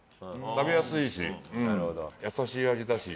食べやすいし優しい味だし。